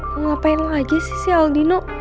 mau ngapain lagi sih si aldino